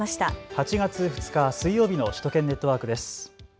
８月２日水曜日の首都圏ネットワークです。